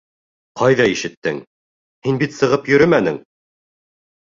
Ҡайҙа ишеттең? һин бит сығып йөрөмәнең!